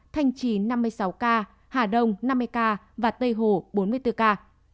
thanh trì năm mươi sáu ca hà đông năm mươi ca và tây hồ bốn mươi bốn ca